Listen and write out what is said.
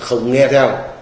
không nghe theo